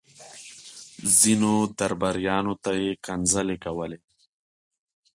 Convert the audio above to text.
ځينو درباريانو ته يې کنځلې کولې.